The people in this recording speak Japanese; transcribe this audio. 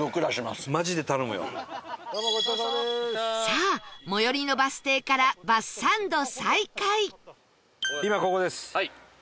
さあ最寄りのバス停からバスサンド再開